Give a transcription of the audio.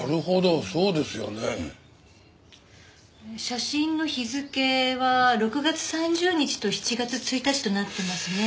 写真の日付は６月３０日と７月１日となっていますね。